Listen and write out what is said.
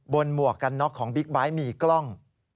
หมวกกันน็อกของบิ๊กไบท์มีกล้อง